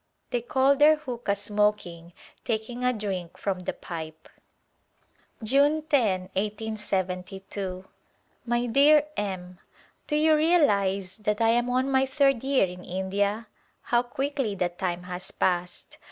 They call their huqqa %mo\i\n^ taking a drink from the pipe. June 10^ i8y2. My dear M : Do you realize that I am on my third year in India? How quickly the time has passed